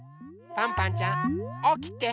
パンパンちゃんおきて。